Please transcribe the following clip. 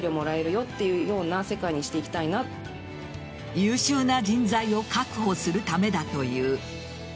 優秀な人材を確保するためだという。